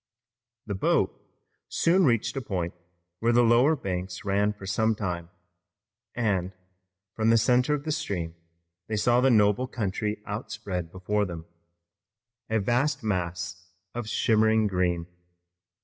The boat soon reached a point where lower banks ran for some time, and, from the center of the stream, they saw the noble country outspread before them, a vast mass of shimmering green.